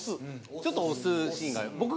ちょっと押すシーンが。